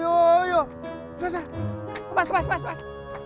yoyoyo kepas kepas kepas